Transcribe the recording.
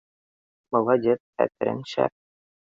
Молодец, хәтерең шәп